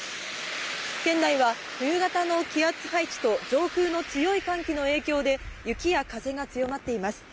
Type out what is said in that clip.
県内は冬型の気圧配置と上空の強い寒気の影響で、雪や風が強まっています。